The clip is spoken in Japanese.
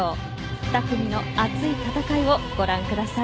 ２組の熱い戦いをご覧ください。